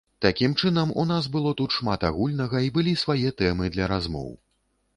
Такім чынам, у нас было тут шмат агульнага і былі свае тэмы для размоў.